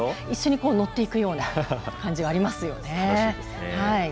一緒に乗っていくような感じはありますね。